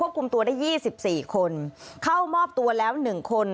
ควบคุมตัวได้ยี่สิบสี่คนเข้ามอบตัวแล้วหนึ่งคน